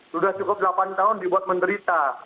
sudah cukup delapan tahun dibuat menderita